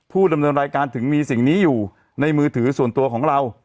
ดำเนินรายการถึงมีสิ่งนี้อยู่ในมือถือส่วนตัวของเรา